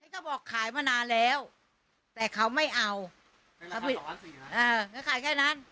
เขาบอกขายมานานแล้วแต่เขาไม่เอาเขาผิดขายแค่นั้น